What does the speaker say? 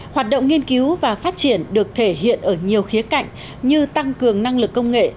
hoạt động nghiên cứu và phát triển được thể hiện ở nhiều khía cạnh như tăng cường năng lực công nghệ